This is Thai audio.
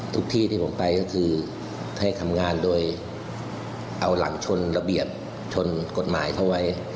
ทุกที่ที่ผมไปก็คือให้ทำงานโดยเอาหลังชนระเบียบชนกฎหมายเขาไว้